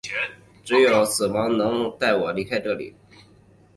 只有死亡能带我离开这里！